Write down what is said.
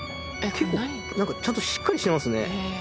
結構なんかちゃんとしっかりしてますね。